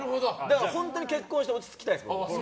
本当に結婚して落ち着きたいです。